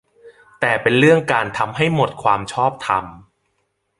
แต่เป็นเรื่องการ ทำให้หมดความชอบธรรม